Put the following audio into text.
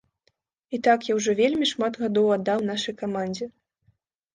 І так я ўжо вельмі шмат гадоў аддаў нашай камандзе.